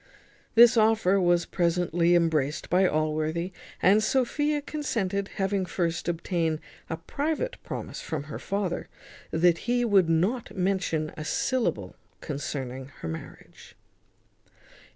This offer was presently embraced by Allworthy, and Sophia consented, having first obtained a private promise from her father that he would not mention a syllable concerning her marriage.